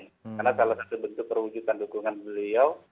karena salah satu bentuk perwujudan dukungan beliau